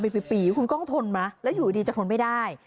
เป็นปีคุณกล้องทนไหมแล้วอยู่ดีจะทนไม่ได้